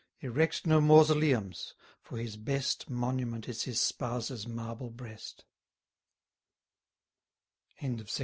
Erect no mausoleums: for his best Monument is his spouse's marble breast.